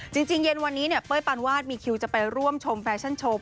เย็นวันนี้เนี่ยเป้ยปานวาดมีคิวจะไปร่วมชมแฟชั่นชม